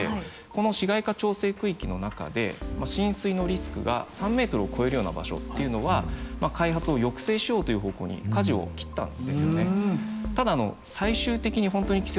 この市街化調整区域の中で浸水のリスクが３ｍを超えるような場所っていうのは開発を抑制しようという方向にかじを切ったんですよね。